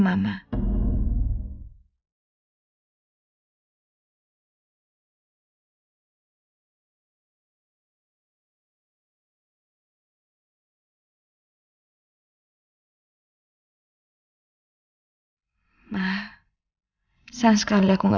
sampai jumpa di video selanjutnya